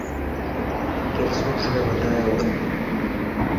ڪرسمرس ري وڌائي هوئي.